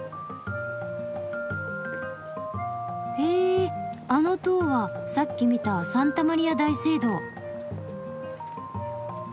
へぇあの塔はさっき見たサンタマリア大聖堂。